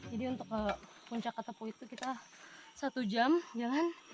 jadi untuk ke puncak ketepu itu kita satu jam jalan